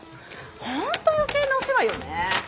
本当余計なお世話よね。